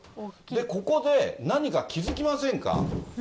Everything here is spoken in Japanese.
ここで、何か気付きませんか？